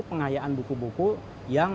pengayaan buku buku yang